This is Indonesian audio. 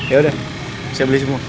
ya udah saya beli semua